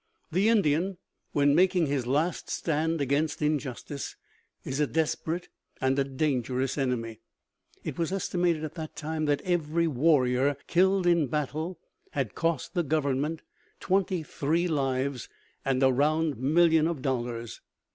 The Indian, when making his last stand against injustice, is a desperate and a dangerous enemy. It was estimated at this time that every warrior killed in battle had cost the Government twenty three lives and a round million of dollars.